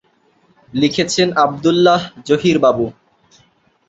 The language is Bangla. লিখেছেন আব্দুল্লাহ জহির বাবু।